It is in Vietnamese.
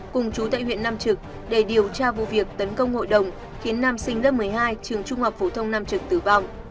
cùng chú tại huyện nam trực để điều tra vụ việc tấn công hội đồng khiến nam sinh lớp một mươi hai trường trung học phổ thông nam trực tử vong